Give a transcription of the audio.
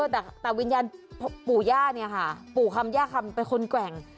แต่วิญญาณปู่คำย่าคำเป็นคนแกว่ง